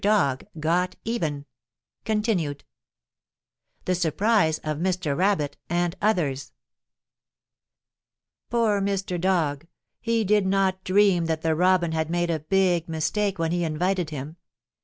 DOG GOT EVEN CONTINUED THE SURPRISE OF MR. RABBIT AND OTHERS Poor Mr. Dog! He did not dream that the Robin had made a big mistake when he invited him.